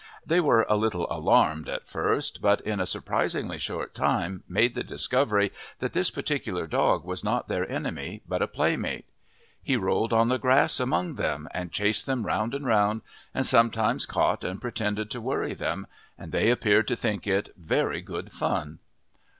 They were a little alarmed at first, but in a surprisingly short time made the discovery that this particular dog was not their enemy but a playmate. He rolled on the grass among them, and chased them round and round, and sometimes caught and pretended to worry them, and they appeared to think it very good fun.